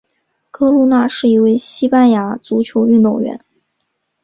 哥路拿是一位西班牙足球运动员。